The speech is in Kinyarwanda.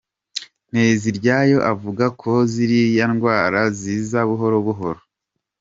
Nteziryayo avuga ko ziriya ndwara ziza buhoro buhoro.